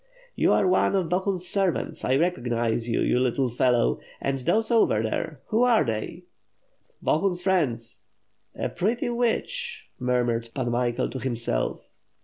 "You are one of Bohun's servants, I recognize you, you little fellow. And those over there, who are they?" "Bohun's friends." "A pretty witch!" munnured Pan Michael to himself.